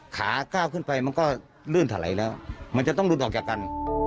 ขาก้าวขึ้นไปมันก็ลื่นถลายแล้วมันจะต้องหลุดออกจากกัน